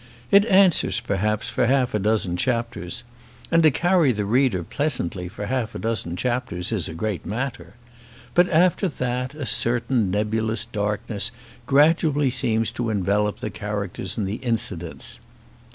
It answers, perhaps, for half a dozen chapters; and to carry the reader pleasantly for half a dozen chapters is a great matter! but after that a certain nebulous darkness gradually seems to envelope the characters and the incidents.